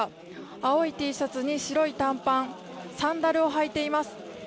青いＴシャツに白い短パンサンダルを履いています。